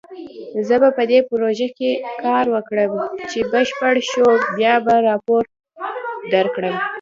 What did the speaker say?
زه به په دې پروژه کار وکړم، چې بشپړ شو بیا به راپور درکړم